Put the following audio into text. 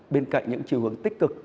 bên cạnh những chiều hướng tích cực